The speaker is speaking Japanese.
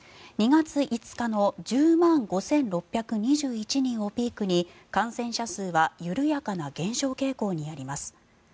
２月５日の１０万５６２１人をピークに感染者数は緩やかな減少傾向にあります。